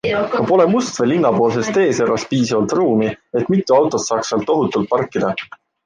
Ka pole Mustvee linnapoolses teeservas piisavalt ruumi, et mitu autot saaks seal ohutult parkida.